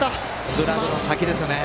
グラブの先でしたね。